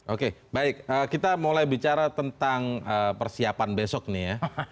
oke baik kita mulai bicara tentang persiapan besok nih ya